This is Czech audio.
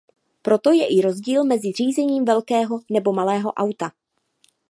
Proto je i rozdíl mezi řízením velkého nebo malého auta.